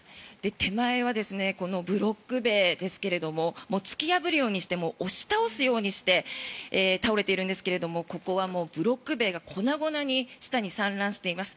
手前はこのブロック塀ですけども突き破るようにして押し倒すようにして倒れているんですけれどもここはもうブロック塀が粉々に下に散乱しています。